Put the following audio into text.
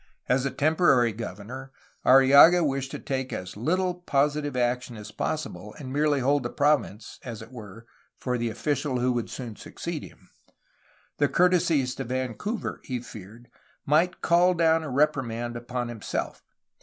As a temporary governor, Arrillaga wished to take as little positive action as possible and merely hold the province, as it was, for the official who would soon succeed him. The courtesies to Van couver, he feared, might call down a reprimand upon him self.